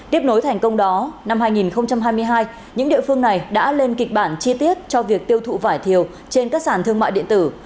tiếp nối thành công đó năm hai nghìn hai mươi hai những địa phương này đã lên kịch bản chi tiết cho việc tiêu thụ vải thiều trên các sản thương mại điện tử